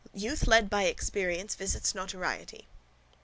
Youth led by Experience visits Notoriety.